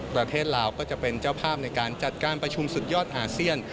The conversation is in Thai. ประเทศลาวก็จะเป็นเจ้าภาพในการจัดการประชุมสุดยอดอาเซียน